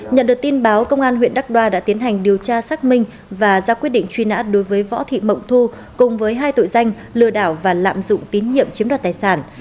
nhận được tin báo công an huyện đắk đoa đã tiến hành điều tra xác minh và ra quyết định truy nã đối với võ thị mộng thu cùng với hai tội danh lừa đảo và lạm dụng tín nhiệm chiếm đoạt tài sản